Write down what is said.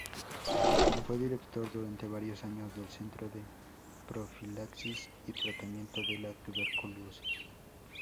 Fue Director durante varios años del Centro de Profilaxis y Tratamiento de la Tuberculosis.